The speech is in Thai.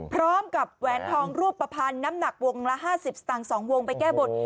พร้อมกับแหวนทองรูปภัณฑ์น้ำหนักวงละ๕๐สตางค์๒วงไปแก้บท